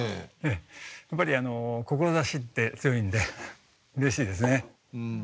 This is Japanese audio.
やっぱり志って強いんでうれしいですね。